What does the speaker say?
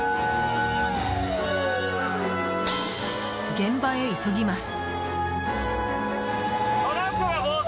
現場へ急ぎます。